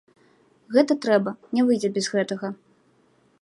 Гэта трэба, не выйдзе без гэтага.